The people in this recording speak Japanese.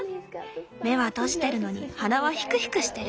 目は閉じてるのに鼻はヒクヒクしてる。